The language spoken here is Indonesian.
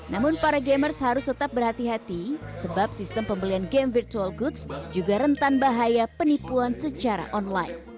namun para gamers harus tetap berhati hati sebab sistem pembelian game virtual goods juga rentan bahaya penipuan secara online